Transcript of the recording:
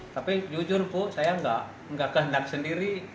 tapi jujur pu saya enggak kehendak sendiri